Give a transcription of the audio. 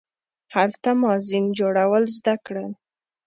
هلته ما زین جوړول زده کړل.